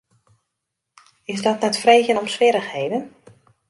Is dat net freegjen om swierrichheden?